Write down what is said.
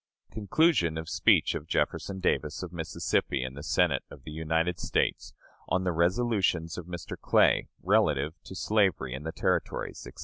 Conclusion of speech of Jefferson Davis, of Mississippi, in the Senate of the United States, on the resolutions of Mr. Clay, relative to slavery in the Territories, etc.